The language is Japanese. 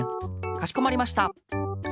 かしこまりました。